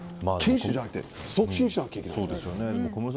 禁止じゃなくて促進しなきゃいけない。